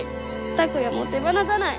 拓哉も手放さない。